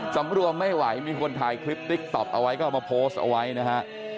สำรวมไม่ไหวมีคนถ่ายคลิปติ๊กต๊อกเอาไว้ก็เอามาโพสต์เอาไว้นะฮะ